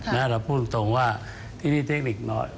เราพูดตรงว่าที่นี่เทคนิศ